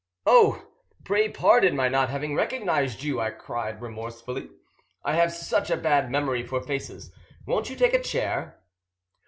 "Oh! pray pardon my not having recognised you," I cried remorsefully; "I have such a bad memory for faces. Won't you take a chair?"